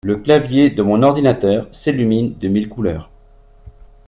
Le clavier de mon ordinateur s'illumine de mille couleurs